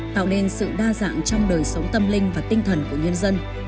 tạo nên sự đa dạng trong đời sống tâm linh và tinh thần của nhân dân